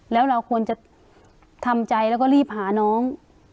แล้วเราควรจะทำใจแล้วก็รีบหาน้อง